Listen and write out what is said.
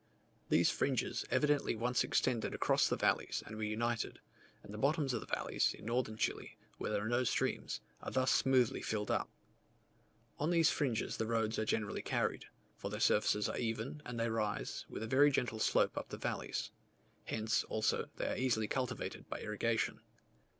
These fringes evidently once extended across the valleys and were united; and the bottoms of the valleys in northern Chile, where there are no streams, are thus smoothly filled up. On these fringes the roads are generally carried, for their surfaces are even, and they rise, with a very gentle slope up the valleys: hence, also, they are easily cultivated by irrigation.